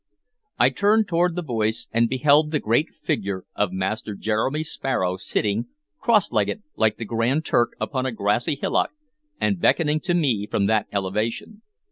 I turned toward the voice, and beheld the great figure of Master Jeremy Sparrow sitting, cross legged like the Grand Turk, upon a grassy hillock, and beckoning to me from that elevation.